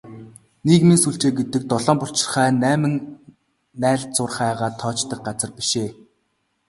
Нийгмийн сүлжээ гэдэг долоон булчирхай, найман найлзуурхайгаа тоочдог газар биш ээ.